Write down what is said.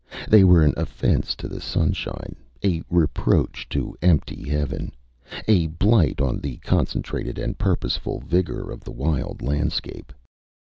They were an offence to the sunshine, a reproach to empty heaven, a blight on the concentrated and purposeful vigour of the wild landscape.